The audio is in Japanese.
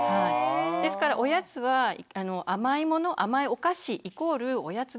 ですからおやつは甘いもの甘いお菓子イコールおやつではないんですね。